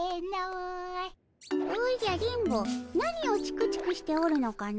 おじゃ電ボ何をチクチクしておるのかの？